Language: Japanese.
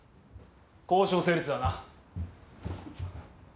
交渉成立だな。